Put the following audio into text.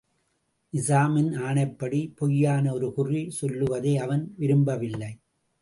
நிசாமின் ஆணைப்படி பொய்யான ஒரு குறி சொல்லுவதை அவன் விரும்பவில்லை.